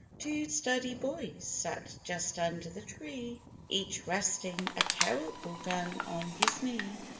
Two sturdy boys sat just under the tree, Each resting a terrible gun on his knee.